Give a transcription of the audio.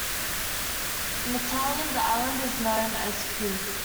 In Italian, the island is known as "Coo".